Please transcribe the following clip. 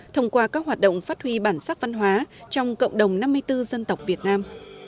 thông qua các hoạt động phát huy bản sắc văn hóa trong cộng đồng năm mươi bốn dân tộc việt nam